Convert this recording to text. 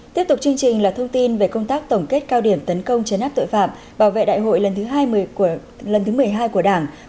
tiếp tục chương trình là thông tin về công tác tổng kết cao điểm tấn công chấn áp tội phạm